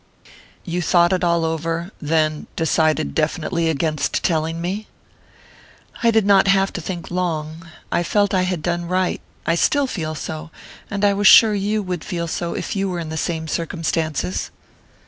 "You thought it all over, then decided definitely against telling me?" "I did not have to think long. I felt I had done right I still feel so and I was sure you would feel so, if you were in the same circumstances."